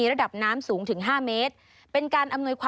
สวัสดีค่ะสวัสดีค่ะสวัสดีค่ะ